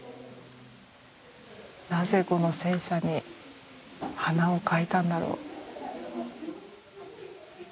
なぜ、この戦車に花を描いたんだろう。